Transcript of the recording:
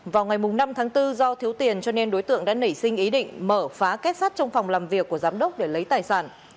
vào ngày năm tháng bốn do thiếu tiền cho nên đối tượng đã nảy sinh ý định mở phá kết sát trong phòng làm việc của giám đốc để lấy tài sản